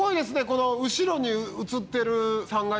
この後ろに映ってる。